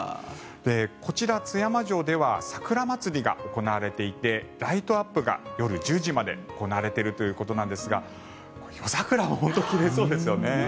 こちら、津山城では桜祭りが行われていてライトアップが夜１０時まで行われているということですが夜桜も奇麗そうですよね。